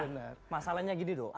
nah masalahnya gini do